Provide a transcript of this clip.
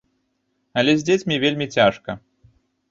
Але з дзецьмі вельмі цяжка.